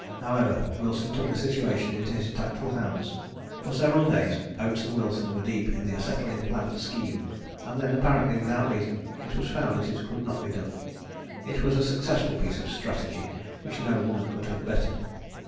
However, Wilson took the situation into his tactful hands. For several days Oates and Wilson were deep in the acetylene plant scheme and then, apparently without reason, it was found that it could not be done. It was a successful piece of strategy which no woman could have bettered.